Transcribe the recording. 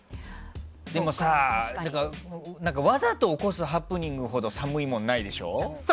でもさわざと起こすハプニングほど寒いもの、ないでしょ。